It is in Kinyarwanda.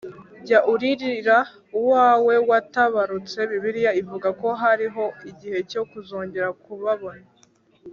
Jya uririra uwawe watabarutse, Bibiliya ivuga ko hariho igihe cyo kuzongera kubabona.